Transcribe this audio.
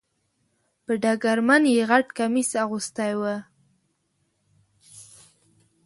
په ډګرمن یې غټ کمیس اغوستی و .